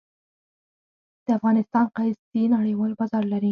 د افغانستان قیسی نړیوال بازار لري